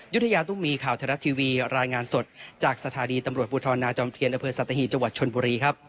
ยุธยาตุ้มีข่าวเทราะทีวีรายงานสดจากสถาดีตำรวจบุธรณาจอมเทียนอเฟิร์สัตว์ตะหินจังหวัดชลบุรีครับ